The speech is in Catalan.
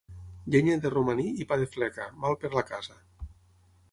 Llenya de romaní i pa de fleca, mal per la casa.